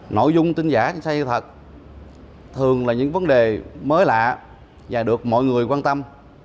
nội dung tin giả tin sai sự thật thường là những vấn đề mới lạ và được mọi người quan tâm